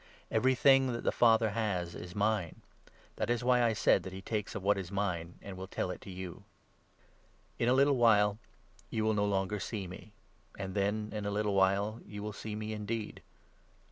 Everything that the Father has is 15 mine ; that is why I said that he takes of what is mine, and will tell it to you. words ^n a little while you will no longer see me ; and 16 of then in a little while you will see me indeed." Farewell.